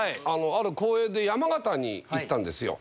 ある公演で山形に行ったんですよ。